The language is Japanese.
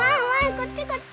こっちこっち！